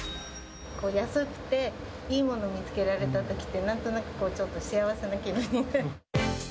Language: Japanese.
安くて、いいものを見つけられたときって、なんとなくこう、ちょっと幸せな気分になる。